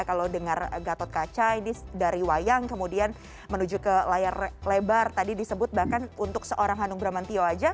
kalau dengar gatot kaca ini dari wayang kemudian menuju ke layar lebar tadi disebut bahkan untuk seorang hanung bramantio aja